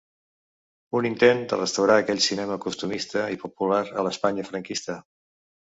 Un intent de restaurar aquell cinema costumista i popular a l'Espanya franquista.